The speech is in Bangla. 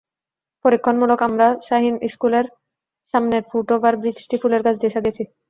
পরীক্ষামূলকভাবে আমরা শাহীন স্কুলের সামনের ফুট ওভার ব্রিজটি ফুলের গাছ দিয়ে সাজিয়েছি।